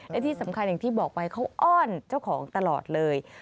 และที่สำคัญอย่างที่บอกไปเขาอ้อนเจ้าของตลอดเลย